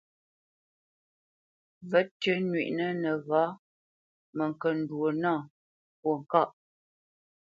Və̌tʉ́ nywíʼnə nəghǎ məŋkəndwo nâ fwo ŋkâʼ.